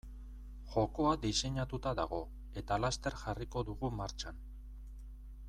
Jokoa diseinatuta dago eta laster jarriko dugu martxan.